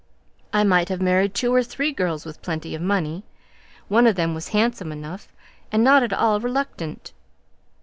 I might have married two or three girls with plenty of money; one of them was handsome enough, and not at all reluctant."